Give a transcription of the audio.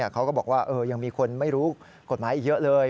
เขาก็บอกว่ายังมีคนไม่รู้กฎหมายอีกเยอะเลย